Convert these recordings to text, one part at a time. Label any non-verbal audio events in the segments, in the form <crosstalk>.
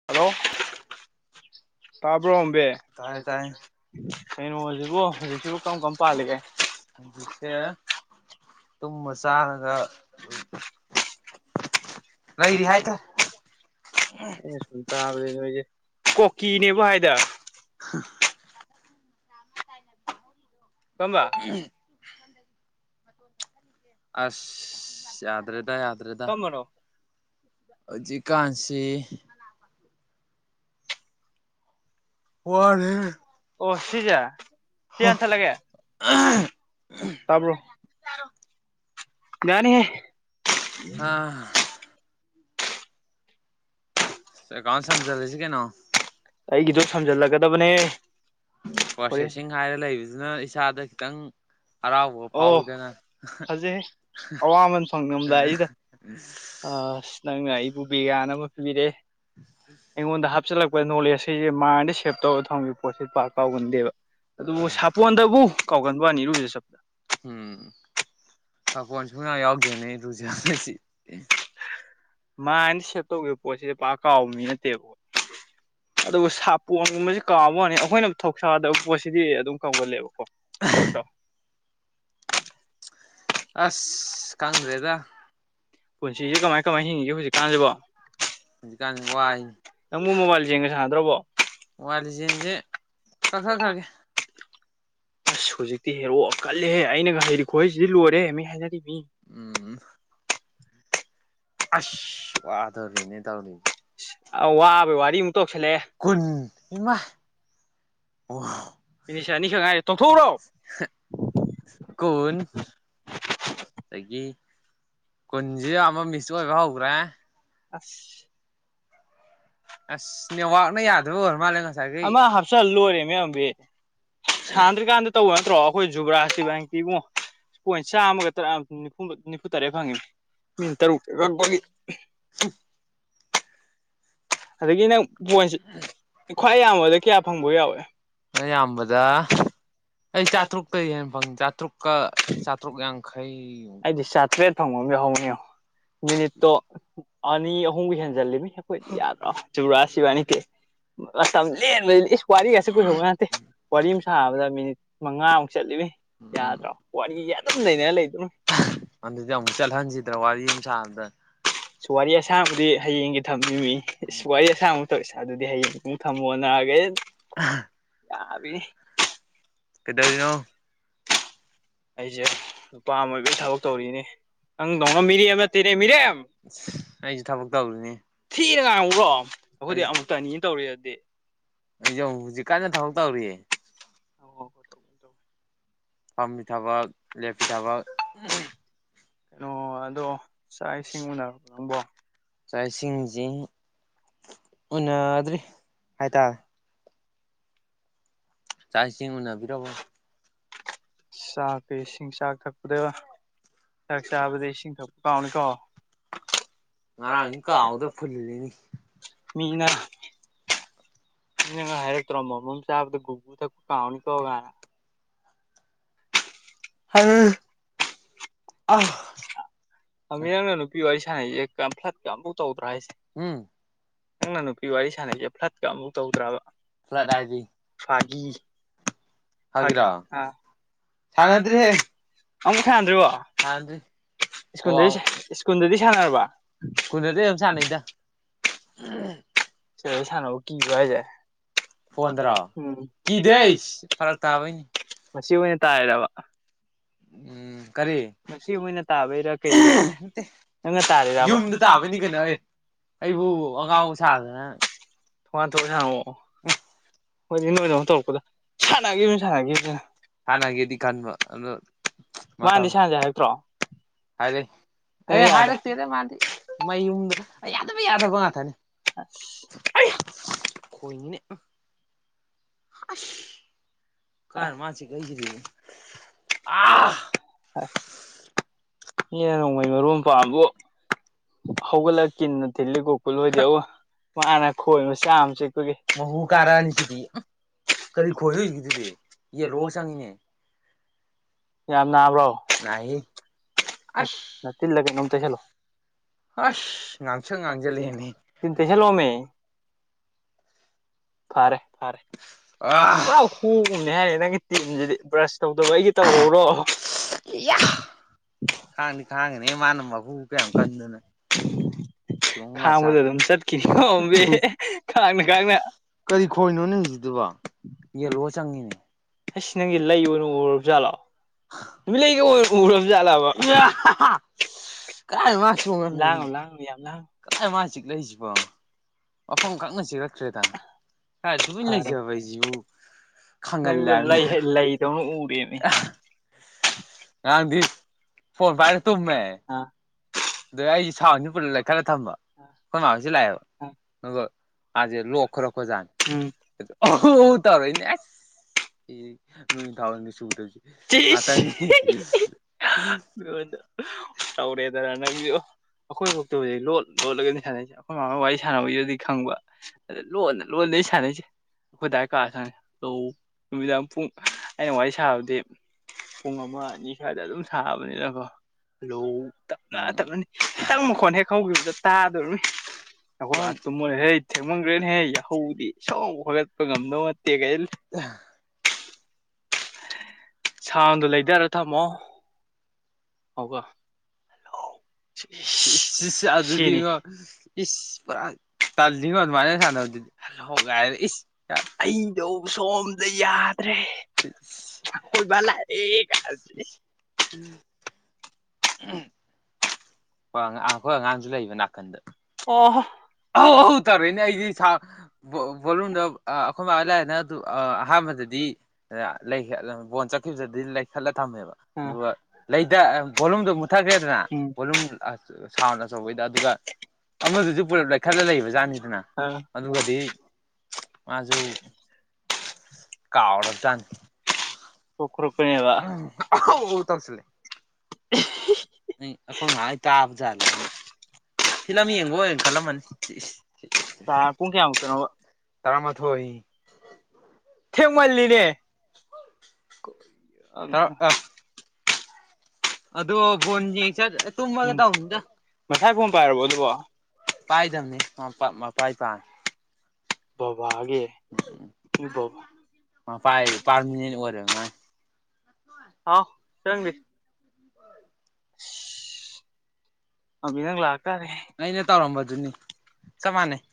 <unintelligible> ꯇꯥꯕ꯭ꯔꯣ ꯑꯝꯕꯤ ꯀꯩꯅꯣ ꯍꯧꯖꯤꯕꯨ ꯍꯧꯖꯤꯛꯁꯤꯕꯨ ꯀꯝ ꯀꯝ ꯄꯥꯜꯂꯤꯒꯦ ꯍꯧꯖꯤꯛꯁꯦ ꯇꯨꯝꯕ ꯆꯥꯔꯒ <unintelligible> ꯁꯨꯝ ꯇꯥꯕꯅꯦ ꯅꯣꯏꯁꯦ ꯀꯣꯛꯀꯤꯅꯦꯕ ꯍꯥꯏꯗ <unintelligible> <unintelligible> ꯑ <unintelligible> ꯑꯁ ꯌꯥꯗ꯭ꯔꯦꯗ ꯌꯥꯗ꯭ꯔꯦꯗ ꯍꯧꯖꯤꯛꯀꯥꯟꯁꯤ ꯋꯥꯔꯦ ꯑꯣ ꯁꯤꯁꯦ ꯁꯤ ꯌꯥꯟꯊꯠꯂꯒꯦ꯫ ꯇꯕ꯭ꯔꯣ ꯌꯥꯅꯤꯍꯦ꯫ ꯑꯥ꯫ ꯑꯦꯀꯥꯎꯟ ꯁꯝꯖꯜꯂꯁꯤ ꯀꯩꯅꯣ꯫ ꯑꯩꯒꯤꯗꯣ ꯁꯝꯖꯜꯂꯒꯗꯕꯅꯦ꯫ ꯄ꯭ꯔꯣꯁꯦꯁꯤꯡ ꯍꯥꯏꯔ ꯂꯩꯕꯁꯤꯅ ꯏꯁꯥꯗ ꯈꯤꯇꯪ ꯍꯔꯥꯎꯕ ꯐꯥꯎꯋꯤꯗꯅ ꯅꯪꯅ ꯑꯩꯕꯨ ꯕꯤꯒ꯭ꯌꯥꯟ ꯑꯃ ꯄꯤꯕꯤꯔꯛꯑꯦ ꯑꯩꯉꯣꯟꯗ ꯍꯥꯞꯆꯜꯂꯛꯄ ꯅꯣꯂꯦꯖ ꯁꯤꯁꯦ ꯃꯗ ꯁꯦꯞ ꯇꯧꯔꯒ ꯊꯝꯒ ꯄꯣꯠꯁꯦ ꯄꯥꯛ ꯀꯥꯎꯒꯟꯗꯦꯕ꯫ ꯑꯗꯨꯕꯨ ꯁꯥꯄꯣꯟꯗꯕꯨ ꯀꯥꯎꯒꯟꯕꯅꯤ ꯏꯔꯨꯖ ꯆꯠꯄꯗ꯫ ꯎꯝ ꯁꯨꯡꯌꯥꯎ ꯌꯥꯎꯗꯦꯅꯦ ꯏꯔꯨꯖꯕꯁꯤ꯫ ꯃꯥꯅ ꯁꯦꯞ ꯇꯧꯈꯤꯕ ꯄꯣꯠꯁꯤꯗꯤ ꯄꯥꯛ ꯀꯥꯎꯕ ꯃꯤ ꯅꯠꯇꯦꯕ꯫ ꯑꯗꯨꯒ ꯁꯥꯄꯣꯟꯒꯨꯝꯕꯁꯤ ꯀꯥꯎꯕ ꯋꯥꯅꯤ ꯑꯩꯈꯣꯏꯅ ꯊꯧꯁꯥꯗꯕ ꯄꯣꯠꯁꯤꯗꯤ ꯑꯗꯨꯝ ꯀꯧꯒꯜꯂꯦꯕꯀꯣ꯫ ꯄꯣꯇꯣ꯫ ꯄꯨꯟꯁꯤꯁꯦ ꯀꯃꯥꯏ ꯀꯃꯥꯏ ꯍꯤꯡꯉꯒꯦ ꯍꯧꯖꯤꯛꯀꯥꯟꯁꯤꯕꯣ꯫ ꯍꯧꯖꯤꯀꯥꯟ ꯋꯥꯏ ꯃꯣꯕꯥꯏꯜ ꯂꯤꯖꯦꯟꯁꯦ꯫ ꯀꯛꯊꯛꯈꯒꯦ ꯑꯁ ꯍꯧꯖꯤꯛꯇꯤ ꯍꯦꯔꯣ ꯀꯜꯂꯦꯍꯦ ꯑꯩꯅꯒ ꯍꯩꯔꯤ ꯈꯨꯍꯩꯁꯤꯗꯤ ꯂꯣꯏꯔꯦ꯫ ꯃꯤ ꯍꯥꯏꯅꯔꯤꯃꯤ ꯎꯝ꯫ ꯑꯁ ꯋꯗꯧꯔꯤꯅꯦ ꯇꯧꯔꯤ ꯀꯨꯟ ꯏꯃꯥ ꯋꯥꯎ ꯃꯤꯅꯤꯠꯁ ꯑꯅꯤꯈꯛ ꯍꯥꯏꯥꯏ ꯇꯣꯡꯊꯣꯛꯎ꯭ꯔꯣ꯫ ꯀꯣꯟ ꯑꯩꯒꯤ ꯀꯨꯟꯁꯤ ꯑꯃ ꯃꯤꯁ ꯑꯣꯏꯕ ꯍꯧꯈ꯭ꯔꯦ꯫ ꯑꯁ꯫ ꯑꯃ ꯍꯥꯞꯆꯜ ꯂꯣꯏꯔꯦ ꯑꯕꯤ ꯁꯥꯟꯗ꯭ꯔꯤꯀꯥꯟꯗ ꯇꯧꯕ ꯅꯠꯇ꯭ꯔꯣ ꯑꯩꯈꯣꯏ ꯖꯨꯒ꯭ꯔꯥꯁꯤꯕꯇꯤꯕꯨ ꯄꯣꯏꯟ ꯆꯥꯝꯃꯒ ꯇꯔꯥ ꯅꯤꯐ ꯅꯤꯐꯨ ꯇꯔꯦꯠ ꯐꯪꯉꯤꯅꯤ ꯃꯤꯅꯤ ꯇꯔꯨꯛ <inaudible> <unintelligible> ꯑꯗꯒꯤ ꯅꯪ ꯄꯣꯟꯁ ꯈ꯭ꯋꯥꯏ ꯌꯥꯝꯌꯥꯝꯕꯗ ꯀꯌꯥ ꯐꯪꯕ ꯈꯋꯥꯏꯌꯥꯝꯕꯗ ꯑꯩ ꯆꯥꯇ꯭ꯔꯨꯛꯇꯩ ꯍꯦ ꯐꯪ ꯆꯥꯇ꯭ꯔꯨꯛ ꯀꯥ ꯆꯥꯇ꯭ꯔꯨꯛ ꯌꯥꯡꯈꯩ ꯑꯩꯗꯤ ꯆꯥꯇ꯭ꯔꯦꯠ ꯐꯪꯕ ꯑꯃ ꯌꯥꯎꯍꯧꯅꯤꯉꯣ ꯃꯤꯅꯤꯠꯇꯣ ꯑꯅꯤ ꯑꯍꯨꯝꯒꯤ ꯍꯦꯟꯖꯤꯜꯂꯤꯃꯤ ꯑꯩꯈꯣꯏꯗꯤ ꯌꯥꯗ꯭ꯔꯣ ꯆꯕ꯭ꯔꯥ ꯁꯤꯕꯅꯤꯠꯇꯦ ꯃꯇꯝ ꯂꯦꯟꯕ ꯋꯥꯔꯤꯒꯁꯨ ꯀꯨꯍꯧꯕ ꯅꯠꯇꯦ ꯋꯥꯔꯤ ꯑꯃ ꯁꯥꯕꯗ ꯃꯤꯅꯤꯠ ꯃꯉꯥꯃꯨꯛ ꯆꯠꯂꯤꯃꯤ ꯌꯥꯗ꯭ꯔꯣ ꯋꯥꯔꯤ ꯑꯗꯨꯝ ꯂꯩꯅ ꯂꯩꯗꯣꯏꯅꯨ ꯑꯗꯨꯗꯤ ꯑꯃꯨꯛ ꯆꯠꯍꯟꯁꯤꯗ꯭ꯔꯦ ꯋꯥꯔꯤ ꯑꯃ ꯁꯥꯕꯗ ꯋꯥꯔꯤ ꯑꯁꯥꯡꯕꯨꯗꯤ ꯍꯌꯦꯡꯒꯤ ꯊꯝꯅꯤꯡꯃꯤ ꯋꯥꯔꯤ ꯑꯁꯥꯡꯕ ꯇꯧ ꯑꯗꯨꯗꯤ ꯍꯌꯦꯡ ꯑꯃꯛ ꯊꯝꯃꯣ ꯅꯥꯔꯒꯦ ꯌꯥꯔꯤ ꯀꯗꯧꯔꯤꯅꯣ꯫ ꯑꯩꯁꯦ ꯅꯨꯄꯥ ꯑꯃ ꯑꯣꯏꯈꯩ ꯊꯕꯛ ꯇꯧꯔꯤꯅꯦ꯫ ꯅꯪꯗꯧꯅ ꯃꯤꯔꯦꯝ ꯅꯥꯠꯇꯦꯅꯦ ꯃꯤꯔꯦꯝ ꯊꯤꯅ ꯉꯥꯡꯉ꯭ꯔꯣ ꯑꯩꯈꯣꯏꯗꯤ ꯑꯃꯨꯛꯇ ꯑꯅꯤ ꯇꯧꯔꯤꯁꯤ ꯑꯗꯨꯗꯤ ꯑꯩꯁ ꯍꯧꯖꯤꯛ ꯀꯥꯟꯅ ꯊꯕꯛ ꯇꯧꯔꯤꯌꯦ꯫ ꯄꯝꯕꯤ ꯊꯕꯛ ꯂꯦꯞꯄꯤ ꯊꯕꯛ ꯀꯩꯅꯣ ꯑꯗꯣ ꯆꯥꯛ ꯏꯁꯤꯡ ꯎꯅꯔꯕ ꯅꯪꯕꯣ꯫ ꯆꯥꯛ ꯏꯁꯤꯡꯁꯤ ꯎꯅꯗ꯭ꯔꯤ ꯍꯥꯏꯇꯥꯔꯦ꯫ ꯆꯥꯛ ꯏꯁꯤꯡ ꯎꯅꯕꯤꯔꯕꯣ꯫ ꯆꯥꯛꯀ ꯏꯁꯤꯡ ꯆꯥꯛ ꯊꯛꯄꯗꯣ ꯆꯥꯛ ꯆꯥꯕꯗ ꯏꯁꯤꯡ ꯊꯛꯄ ꯀꯥꯎꯅꯤꯀꯣ꯫ ꯑ ꯏꯪꯀꯥꯎꯗꯣ ꯐꯨꯜ ꯂꯩꯅꯤ ꯃꯤꯅ ꯅꯪ ꯍꯥꯏꯔꯛꯇ꯭ꯔꯣ ꯃꯃꯝ ꯆꯥꯕꯗ ꯒꯨꯒꯨ ꯊꯛ ꯀꯥꯎꯅꯤ ꯀꯧꯒꯅ <unintelligible> ꯃꯤ ꯅꯪꯅ ꯅꯨꯄꯤ ꯋꯥꯔꯤ ꯁꯥꯟꯅꯩꯁꯦ ꯐ꯭ꯂꯠ ꯀꯌꯥꯨꯛ ꯇꯧꯗ꯭ꯔꯥ ꯍꯥꯏꯁꯦ ꯅꯪꯅ ꯅꯨꯄꯤ ꯋꯥꯔꯤ ꯁꯥꯟꯅꯩꯁꯦ ꯐ꯭ꯂꯠꯀ ꯑꯃꯨꯛ ꯇꯧꯗ꯭ꯔꯕ ꯍꯥꯏ <unintelligible> ꯁꯅꯗ꯭ꯔꯤ ꯊꯔꯤ ꯑꯣ ꯀꯨꯟꯗꯗꯤ ꯑꯗꯨꯝ ꯁꯥꯟꯅꯩꯗ <inaudible> ꯆꯁꯅꯣ ꯀꯕꯔꯥ ꯍꯥꯏꯖꯦ <unintelligible> ꯋꯥꯔꯛ ꯇꯕꯅꯤ ꯃꯁꯤ ꯑꯣꯏꯅ ꯇꯥꯏꯗꯔꯕ ꯎꯝ ꯀꯔꯤ ꯌꯨꯝꯗ ꯇꯥꯕꯅꯤ ꯀꯩꯅꯣ ꯑꯩ ꯑꯩꯕꯨ ꯑꯉꯥꯡꯕ ꯁꯥꯗꯅ <inaudible> ꯍꯅꯒꯦꯗꯤ ꯀꯥꯟꯃꯣ ꯃꯥꯅꯗꯤ ꯁꯟꯁꯦ ꯍꯥꯏꯔꯛꯇ꯭ꯔꯣ ꯍꯥꯏꯔꯛ ꯑꯦ ꯍꯥꯏꯔꯛꯇꯦꯗ ꯃꯥꯗꯤ ꯃꯩ ꯌꯨꯝꯗ꯭ꯔ ꯌꯥꯗꯕ ꯌꯥꯗꯕ ꯉꯥꯛꯇꯅꯤ <inaudible> ꯍꯣꯏꯅꯦ ꯑ ꯀꯥꯔ ꯃꯥꯁꯤ ꯀꯩꯁꯤꯔꯤꯦ ꯑ <unintelligible> ꯍ ꯅꯣꯡꯃꯩ ꯃꯔꯨꯝ ꯄꯥꯗꯣ ꯍꯒꯂ ꯀ ꯅ ꯊꯜꯂꯤꯒꯣ ꯀꯨꯜ ꯍꯣꯏꯗꯦꯎ ꯃꯥꯅ ꯈꯣꯏꯕ ꯆꯥꯝꯁ ꯑꯩꯈꯣꯏꯒꯤ ꯃꯨ ꯀꯥꯔꯅꯤ ꯀꯔꯤ ꯈꯣ ꯔꯣꯁꯪ ꯌꯥꯝ ꯑꯁ ꯑꯁ ꯉꯥꯡꯁ ꯉꯥꯡꯁꯂꯦꯅꯦ ꯐꯔꯦ ꯐꯔꯦ ꯍꯨꯨꯝꯅꯦ ꯍꯥꯏꯔꯦ ꯅꯪꯒꯤ ꯇꯤꯟꯁꯤꯗꯤ ꯕ꯭ꯔꯁ ꯇꯧꯗꯕ ꯑꯩꯒꯤ ꯇꯧꯔꯧꯔꯣ ꯈꯥꯡꯅꯤ ꯈꯥꯡꯉꯅꯦ ꯃꯥꯅ ꯃꯄꯨ ꯀꯌꯥꯝ ꯀꯟꯗꯅ ꯈꯥꯡꯕꯗ ꯑꯗꯨꯝ ꯆꯠꯈꯤꯅꯤ ꯈꯣꯝꯝꯕ ꯈꯥꯡꯅ ꯈꯥꯡꯅ ꯀꯔꯤ ꯈꯣꯏꯅꯣꯅꯦ ꯍꯧꯖꯤꯛꯗꯨꯕ ꯌꯦꯜꯂꯣ ꯆꯪꯉꯤꯅꯦ ꯑꯩꯁꯤ ꯅꯪꯒꯤ ꯂꯩ ꯑꯣꯏꯅ ꯎꯔꯕꯖꯥꯠꯂꯣ ꯍ ꯀꯥꯏ ꯃꯥꯁ ꯎ ꯌꯥꯝꯅ ꯐꯗꯥꯏ ꯃꯥ ꯆꯤꯛꯂꯛꯏꯁꯤꯕꯣ ꯃꯐꯝ ꯀꯪꯅ ꯆꯤꯛꯂꯛꯇ꯭ꯔꯦꯗ ꯍꯥꯏ ꯑꯗꯨ ꯂꯩꯖꯕ ꯑꯗꯨꯕꯨ ꯅꯪ ꯂꯩꯗꯧꯅ ꯎꯔꯦꯅꯤꯅ ꯑ ꯇꯏꯁꯨꯕꯅꯦ ꯑꯗ ꯑꯩ ꯁꯥꯕꯅꯤ ꯄꯨꯠꯂꯗ ꯈꯔ ꯊꯃ ꯊꯝꯁꯤ ꯂꯥꯛꯑꯦꯕꯣꯏ ꯑ ꯂꯈꯔꯈꯖꯥ ꯃꯤꯣꯏ ꯅꯤꯁꯤ ꯎ ꯇꯁꯤ ꯑ ꯃꯤ ꯇꯧꯔꯦꯗꯔ ꯅꯪꯁꯨ ꯑꯩꯈꯣꯏ ꯈꯣꯛꯇꯕꯨꯗꯤ ꯂꯣꯠ ꯂꯣꯠꯂꯒꯗꯤ ꯁꯥꯟꯅꯩꯁꯦ ꯑꯩꯈꯣꯏ ꯃꯃꯒ ꯋꯥꯔꯤ ꯁꯥꯟꯅꯕꯒꯤꯗꯨꯗꯤ ꯈꯪꯕ ꯑꯗ ꯂꯣꯟꯅ ꯂꯣꯟꯅꯩ ꯁꯥꯟꯅꯩꯁꯦ ꯑꯩꯈꯣꯏ ꯗꯥꯏ ꯀꯥꯔ ꯁꯥꯟꯅ ꯂꯧ ꯅꯨꯃꯤꯗꯥꯡ ꯄꯨꯡ ꯑꯩꯅ ꯋꯥꯔꯤ ꯁꯥꯕꯗꯤ ꯄꯨꯡ ꯑꯃ ꯑꯅꯤ ꯁ꯭ꯋꯥꯏꯗ ꯑꯗꯨꯝ ꯁꯥꯕꯅꯤꯅꯀꯣ ꯂꯨ ꯇꯞꯅ ꯇꯞꯅꯅꯤ ꯈꯤꯇꯪ ꯃꯈꯣꯟ ꯍꯦꯛ ꯍꯧꯈꯤꯕꯗ ꯇꯥꯗꯧꯔꯅꯤ ꯑꯩꯈꯣꯏ ꯕꯥꯅ ꯇꯨꯝꯃꯣꯅ‌ꯦꯍ‌ꯦ ꯊꯦꯡꯃꯟꯈ꯭ꯔꯦꯅ‌ꯦꯍꯦ ꯌꯥꯍꯧꯗꯤ ꯁꯨꯡꯍꯧ ꯍꯧꯒꯠꯄ ꯉꯝꯗꯧ ꯅꯠꯇꯦ ꯀꯥꯏ <unintelligible> ꯁꯥꯎꯟꯗꯣ ꯂꯩꯗꯔ ꯊꯝꯃꯣ ꯍꯧꯒ ꯍꯜꯂ‌ꯣ ꯏꯁꯁꯦ ꯑꯗꯨꯗꯤꯉꯣ ꯏꯁ ꯄꯨꯔꯥ <unintelligible> ꯑꯩꯗ‌ꯣ ꯁꯣꯝꯗ ꯌꯥ ꯗꯔ‌ꯦ <unintelligible> ꯑꯩꯈꯣꯏ ꯕꯥ ꯂꯥꯛꯑꯦ ꯀꯥꯏꯅ ꯏꯁ <unintelligible> <unintelligible> ꯈ‌ꯣꯏ ꯑꯉꯥꯡ ꯑꯩꯈꯣꯏ ꯑꯉꯥꯡꯁꯨ ꯂꯩꯕ ꯅꯥꯀꯟꯗ ꯑ ꯑꯧ ꯇꯧꯔꯛꯑꯦꯅꯦ ꯑꯩꯗꯤ ꯕꯣꯂꯨꯝꯗ‌ꯣ ꯑꯩꯈꯣꯏ ꯃꯥ ꯈ‌ꯣꯏ ꯂꯥꯛꯑꯦꯅ ꯑꯗꯨ ꯑꯍꯥꯟꯕꯗꯗꯤ ꯂꯩ ꯕꯣꯜ ꯆꯠꯈꯤꯕꯗꯨꯗꯗꯤ ꯂꯩꯈꯠꯂ ꯊꯝꯃꯦꯕ ꯑꯗꯨꯒ ꯂꯩꯗ ꯕꯣꯂꯨꯝꯗꯨ ꯂꯩꯊꯈ꯭ꯔꯦꯗꯅ ꯚꯣꯂꯨꯝ ꯑꯥ ꯁꯥꯎꯟ ꯑꯆꯧꯕꯩꯗ‌ꯣ ꯑꯗꯨꯒ ꯑꯃꯗꯨꯗꯤ ꯄꯨꯂꯞ ꯂꯩꯈꯠꯂ ꯂꯩꯕ ꯖꯥꯠꯅꯤꯗꯅ ꯑꯗꯨꯒꯗꯤ ꯃꯥꯖꯨ ꯀꯥꯎꯔꯕ ꯖꯥꯠꯅꯤ <unintelligible> ꯑꯩ ꯑꯈꯣꯏ ꯃꯥꯍꯣꯏ ꯇꯥꯕꯖꯥꯠꯂ ꯍꯥꯏꯅ ꯐꯤꯂꯝ ꯌꯦꯡꯕ ꯑꯣꯏꯅ ꯈꯜꯂꯝꯃꯅꯤ ꯇꯔꯥꯃꯊꯣꯏ ꯊꯦꯡꯃꯟꯂꯤꯅꯦ <unintelligible> ꯑꯗꯣ ꯕ‌ꯣꯜ ꯌ‌ꯦꯡ ꯆꯠ ꯇꯨꯝꯃꯒ‌ꯦ ꯇꯧꯅꯤꯗ ꯃꯁꯥꯒꯤ ꯐꯣꯟ ꯄꯥꯏꯔꯕꯣ ꯑꯗꯨꯕꯣ ꯄꯥꯏꯗꯝꯅꯤ <unintelligible> ꯕꯕꯥꯒꯤ <unintelligible> ꯍꯥꯎ ꯆꯪꯗ‌ꯦ <inaudible> <unintelligible> ꯑꯩꯅ ꯇꯧꯔꯝꯕꯗꯨꯅꯤ ꯆꯞ ꯃꯥꯟꯅꯩ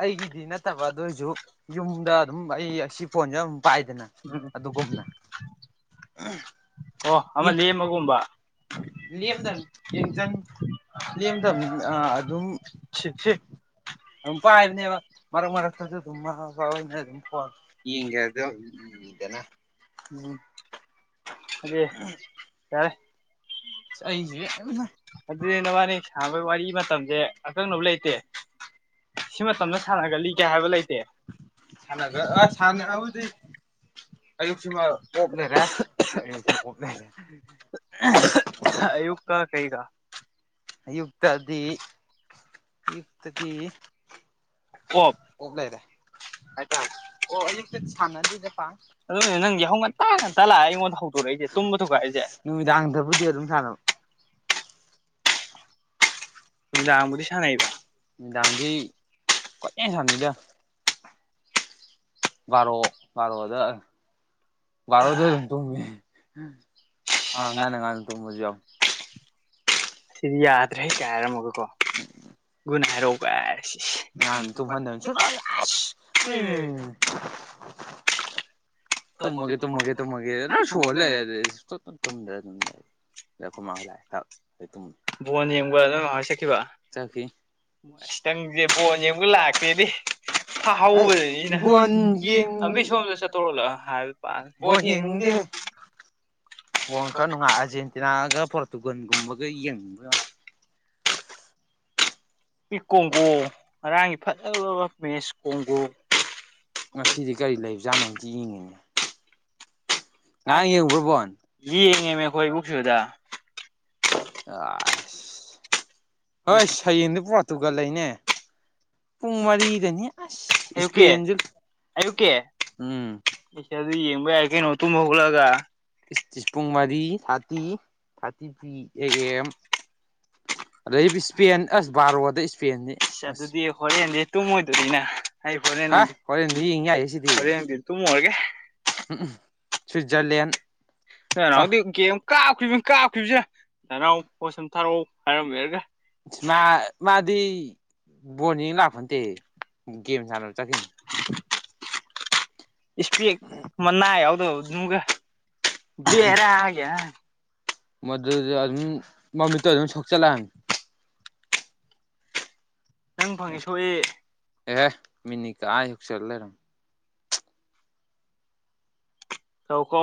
ꯑꯩꯒꯤꯗꯤ ꯅꯠꯇꯕ ꯑꯗꯨ ꯑꯣꯏꯔꯁꯨ ꯌꯨꯝꯗ ꯑꯗꯨꯝ ꯑꯩ ꯑꯁꯤ ꯐꯣꯟꯁ‌ꯦ ꯑꯗꯨꯝ ꯄꯥꯏꯗꯅ <unintelligible> <unintelligible> ꯑꯣ ꯑꯃ ꯂꯦꯝꯕꯒꯨꯝꯕ <unintelligible> <unintelligible> ꯑꯗꯨꯝ ꯄꯥꯏꯕꯅꯦꯕ ꯃꯔꯛ ꯃꯔꯛꯇꯁꯨ ꯑꯗꯨꯝ ꯃꯃꯥ ꯃꯄꯥ ꯈ‌ꯣꯏꯅ ꯑꯗꯨꯝ ꯐꯣꯟ ꯌꯦꯡꯒꯦ ꯍꯥꯏꯕꯗ <unintelligible> ꯎꯝ ꯑꯗꯨꯗꯤ ꯌꯥꯔꯦ <unintelligible> ꯑꯗꯨꯗꯤ ꯅꯕꯥꯅꯤ ꯁꯥꯅꯕꯒꯤ ꯋꯥꯔꯤ ꯃꯇꯝꯁꯦ ꯑꯀꯛꯅꯕ ꯂꯩꯇꯦ ꯁꯤ ꯃꯇꯝꯗ ꯁꯥꯟꯅꯒꯜꯂꯤꯒ ꯍꯥꯏꯕ ꯂꯩꯇꯦ <unintelligible> ꯑꯌꯨꯛꯁꯤꯃ ꯑꯣꯐ ꯂꯩꯔꯦ <unintelligible> ꯑꯌꯨꯛꯀ ꯀꯩꯒ <unintelligible> ꯑꯌꯨꯛꯇꯗꯤ ꯑꯣꯐ ꯂꯩꯔꯦ ꯍꯥꯏꯇꯥꯔꯦ ꯑꯣ ꯑꯌꯨꯛꯇꯗꯤ ꯁꯥꯟꯅꯗꯦꯗ ꯄꯥꯛꯅ <unintelligible> ꯅꯨꯃꯤꯗꯥꯥꯡꯗꯕꯨꯗꯤ ꯑꯗꯨꯝ ꯁꯥꯟꯅꯕ ꯅꯨꯡꯗꯥꯡꯗꯤ ꯀꯨꯏꯍ‌ꯦ ꯁꯥꯟꯅꯗ ꯚꯥꯔꯣ ꯚꯥꯔꯣꯗ ꯚꯥꯔꯣꯗ ꯑꯗꯨꯝ ꯇꯨꯝꯃ‌ꯦ ꯑꯥ ꯉꯟꯅ ꯉꯟꯅ ꯇꯨꯝꯕꯁꯨ ꯌꯥꯎꯌ‌ꯦ ꯁꯤꯗꯤ ꯌꯥꯗ꯭ꯔꯦ ꯀ ꯍꯥꯏꯔꯝꯃꯒꯀꯣ <unintelligible> ꯇꯨꯝꯃꯒꯦ ꯇꯨꯝꯃꯒꯦ ꯇꯨꯝꯃꯒꯦ ꯑꯗꯨꯝ ꯁꯣꯜꯂ ꯂꯩꯔꯦ <unintelligible> ꯑꯗ ꯑꯩꯈꯣꯏ ꯃꯥ ꯍꯣꯏ ꯂꯥꯛꯑꯦ <unintelligible> ꯑꯁ ꯅꯪꯁꯦ ꯕꯣꯟ ꯌꯦꯡꯕꯒ ꯂꯥꯛꯇꯦꯅꯦ ꯐꯥꯍꯧꯕꯗꯅꯤ <unintelligible> ꯁꯣꯝꯗ ꯆꯠ <unintelligible> ꯕꯣꯜ ꯈꯔ ꯅꯨꯡꯉꯥꯏꯔꯒ ꯑꯥꯔꯖꯦꯟꯇꯤꯅꯥꯒ ꯄꯣꯔꯇꯨꯒꯜꯒꯨꯝꯕꯒ ꯈꯔ ꯌꯦꯡꯅꯤꯡꯕꯩ ꯋꯥꯅꯤ ꯃꯤ ꯀꯣꯡꯒꯣ ꯉꯔꯥꯡꯒꯤ ꯐꯖꯕ ꯃꯦꯁ ꯀꯣꯡꯒꯣ ꯉꯁꯤꯗꯤ ꯀꯔꯤ ꯂꯩꯕꯖꯥꯠꯅꯣ ꯑꯝꯇ ꯌꯦꯡꯒꯦꯅꯦ <unintelligible> ꯌꯦꯡꯉꯦ ꯃꯤ ꯑꯩꯈꯣꯏ ꯕꯨꯛꯁꯨꯨꯗ ꯑꯁ ꯍꯣꯏꯁ ꯁꯌꯦꯡꯗꯤ ꯄꯨꯔꯇꯨꯒꯜ ꯂꯩꯅꯦ ꯄꯨꯡ ꯃꯔꯤꯗꯅꯤ ꯑꯁ ꯏꯁꯄꯦꯟꯁꯨ ꯎꯝ ꯏꯁ ꯑꯗꯨꯗꯤ ꯌꯦꯡꯕ ꯌꯥꯏ ꯀꯩꯅꯣ ꯇꯨꯝ ꯍꯧꯒꯠꯂꯒ ꯏꯁ ꯄꯨꯡ ꯃꯔꯤ thirty thirty three A M <unintelligible> ꯑꯁ ꯑꯗꯨꯗꯤ ꯍꯣꯔꯦꯟꯗꯤ ꯇꯨꯝꯃꯣꯏꯗꯔꯤꯅꯦ <unintelligible> ꯍꯣꯔꯦꯟ ꯍꯣꯔꯦꯟ ꯇꯨꯃꯨꯔꯒꯦ <unintelligible> <unintelligible> ꯅꯅꯥꯎꯗꯤ ꯒꯦꯝ ꯀꯥꯞꯈꯤꯕꯅ ꯀꯥꯞꯈꯤꯕꯁꯦ ꯅꯅꯥꯎ ꯄꯣꯠꯁꯨꯝ ꯊꯥꯔꯛꯎ ꯍꯥꯏꯔꯝꯃꯦ ꯏꯁ ꯃꯥ ꯃꯥꯗꯤ ꯕꯣꯅꯤꯡ ꯂꯥꯛꯄ ꯅꯠꯇꯦ ꯒꯦꯝ ꯁꯥꯥꯟꯅꯕ ꯆꯠꯈꯤꯕꯅꯤ <unintelligible> ꯏꯁꯄ‌ꯦꯛ ꯃꯅꯥ ꯌꯥꯎꯗꯕꯝꯒ ꯕ‌ꯦꯔꯒꯤ ꯑꯉꯥꯡꯅꯤ ꯃꯗꯨꯗ ꯑꯗꯨꯝ ꯃꯃꯤꯠꯇꯨ ꯑꯗꯨꯝ ꯁꯣꯛꯆꯤꯜꯂꯛꯑꯅꯤ ꯅꯪ ꯐꯪꯉꯦ ꯁꯣꯛꯑꯦ ꯑꯦꯍꯦ ꯃꯤꯅꯤꯀ ꯑꯩ ꯍꯛꯆꯠꯂ ꯂꯩꯔꯝꯃꯤꯃꯦ ꯀꯧ ꯀꯣ